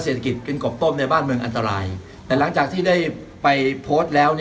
เศรษฐกิจกินกบต้มในบ้านเมืองอันตรายแต่หลังจากที่ได้ไปโพสต์แล้ว